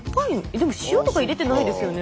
でも塩とか入れてないですよね。